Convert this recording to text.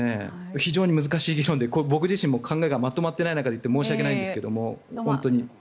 非常に難しい議論で僕自身も考えがまとまってない中で言って申し訳ないんですが本当に。